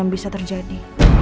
yang bisa terjadi